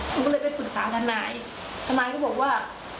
หนูก็เลยไปปรึกษาทนายทนายก็บอกว่า